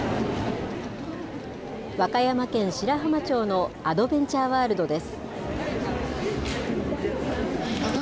和歌山県白浜町のアドベンチャーワールドです。